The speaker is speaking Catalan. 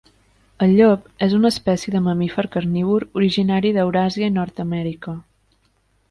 El llop és una espècie de mamífer carnívor originari d'Euràsia i Nord-amèrica.